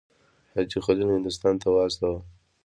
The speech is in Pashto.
حاجي خلیل هندوستان ته واستوي.